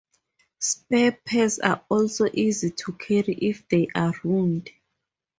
Spare pairs are also easy to carry if they are ruined.